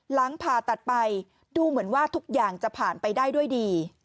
หลังผ่าตัดไปดูเหมือนว่าทุกอย่างจะผ่านไปได้ด้วยดี